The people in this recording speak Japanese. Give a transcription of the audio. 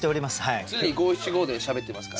常に五七五でしゃべってますから。